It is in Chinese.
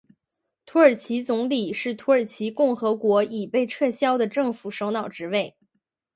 土耳其总理是土耳其共和国已被撤销的政府首脑职位。